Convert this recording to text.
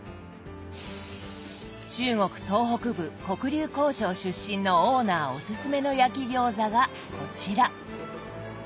中国東北部黒竜江省出身のオーナーおすすめの焼き餃子がこちら。